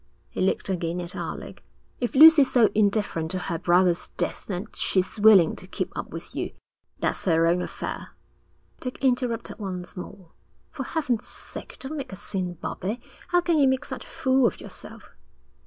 He looked again at Alec: 'If Lucy's so indifferent to her brother's death that she's willing to keep up with you, that's her own affair.' Dick interrupted once more. 'For heaven's sake don't make a scene, Bobbie. How can you make such a fool of yourself?'